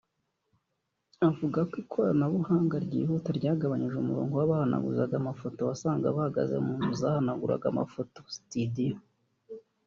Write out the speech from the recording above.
Avuga ko uko ikoranabuhanga ryihuta byagabanyije umurongo w’abahanaguzaga amafoto wasangaga mu nzu zihanagura amafoto (situdiyo)